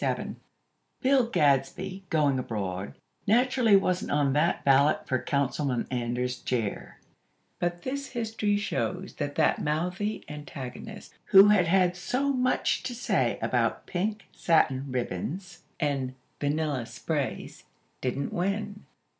XXXVII Bill Gadsby, going abroad, naturally wasn't on that ballot for Councilman Antor's chair; but this history shows that that mouthy antagonist who had had so much to say about "pink satin ribbons" and "vanilla sprays," didn't win.